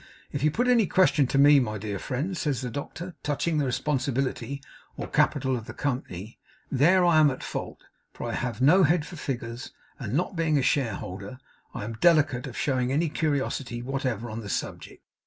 'If you put any question to me, my dear friend,' says the doctor, 'touching the responsibility or capital of the company, there I am at fault; for I have no head for figures, and not being a shareholder, am delicate of showing any curiosity whatever on the subject.